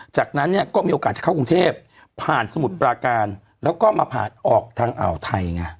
จากนั้นเนี่ยก็มีโอกาสจะเข้ากรุงเทพผ่านสมุทรปราการแล้วก็มาผ่านออกทางอ่าวไทยไง